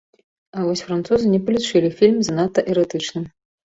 А вось французы не палічылі фільм занадта эратычным.